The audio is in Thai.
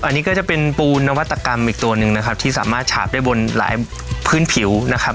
อันนี้ก็จะเป็นปูนวัตกรรมอีกตัวหนึ่งนะครับที่สามารถฉาบได้บนหลายพื้นผิวนะครับ